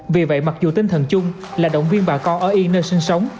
vì vậy mặc dù tinh thần chung là động viên bà con ở yên nơi sinh sống